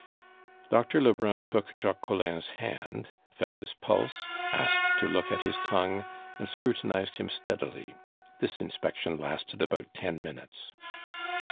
Doctor Lebrun took Jacques Collin's hand, felt his pulse, asked to look at his tongue, and scrutinized him steadily. This inspection lasted about ten minutes.